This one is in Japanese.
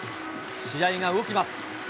試合が動きます。